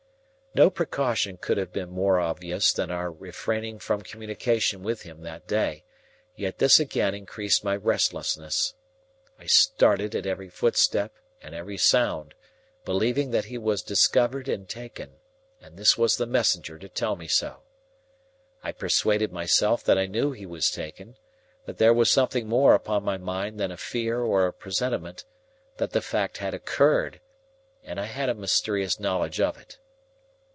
No precaution could have been more obvious than our refraining from communication with him that day; yet this again increased my restlessness. I started at every footstep and every sound, believing that he was discovered and taken, and this was the messenger to tell me so. I persuaded myself that I knew he was taken; that there was something more upon my mind than a fear or a presentiment; that the fact had occurred, and I had a mysterious knowledge of it.